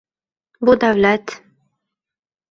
Bu davlat